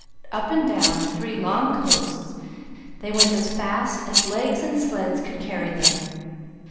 Up and down three long coasts they went as fast as legs and sleds could carry them.